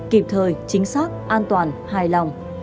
đồng thời chính xác an toàn hài lòng